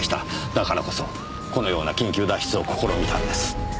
だからこそこのような緊急脱出を試みたんです。